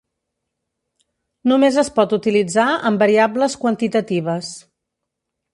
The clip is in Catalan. Només es pot utilitzar amb variables quantitatives.